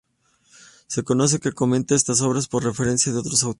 Se conoce que comentó estas obras por referencias de otros autores.